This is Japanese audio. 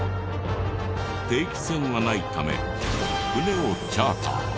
定期船はないため船をチャーター。